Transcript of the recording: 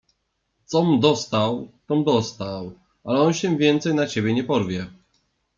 — Com dostał, tom dostał, ale on się więcej na ciebie nie porwie.